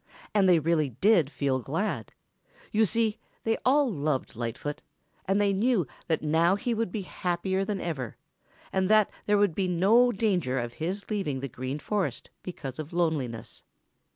And they really did feel glad. You see, they all loved Lightfoot and they knew that now he would be happier than ever, and that there would be no danger of his leaving the Green Forest because of loneliness.